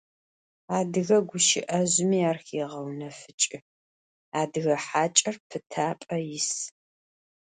Adıge guşı'ezjımi ar xêğeunefıç'ı: «Adıge haç'er pıtap'e yis».